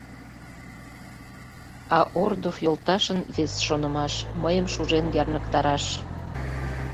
А Ордов йолташын вес шонымаш: мыйым шужен ярныктараш.